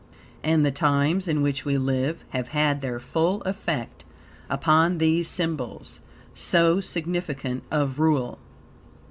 And the times in which we live have bad their full effect upon these symbols, so significant of rule.